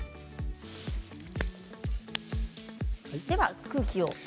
では空気を。